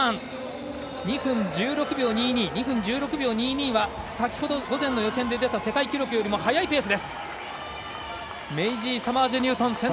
２分１６秒２２は先ほど午前の予選で出た世界記録より速いペース。